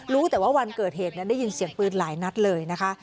รู้แต่ว่าวันเกิดเหตุได้ยินเสียงปืนหลายนัดเลยนะคะ